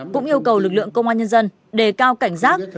cũng yêu cầu lực lượng công an nhân dân đề cao cảnh giác